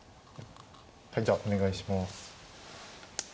はいじゃあお願いします。